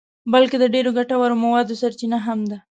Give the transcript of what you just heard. بلکه د ډېرو ګټورو موادو سرچینه هم ده.